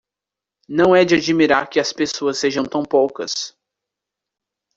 Não é de admirar que as pessoas sejam tão poucas